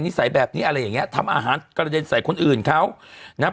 สัยแบบนี้อะไรอย่างเงี้ทำอาหารกระเด็นใส่คนอื่นเขานะครับ